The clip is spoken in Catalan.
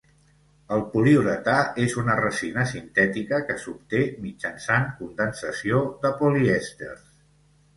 El poliuretà és una resina sintètica que s'obté mitjançant condensació de polièsters.